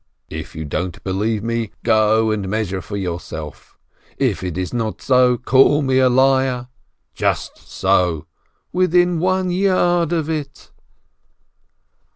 "If you don't believe me, go and measure for yourself !"— "If it is not so, call me a liar!" — "Just so!" — "Within one yard of it